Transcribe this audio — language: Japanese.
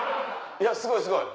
いやすごいすごい。